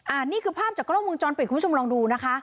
อันนี้คือภาพจากกล้องมุมจรปิดคุณผู้ชมลองดูนะคะ